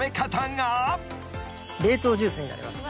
冷凍ジュースになります。